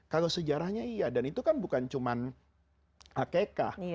kalau sejarahnya iya dan itu kan bukan cuma akekah